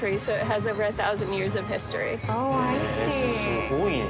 すごいね。